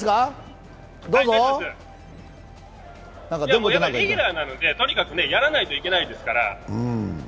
レギュラーなので、とにかくやらないといけないですから。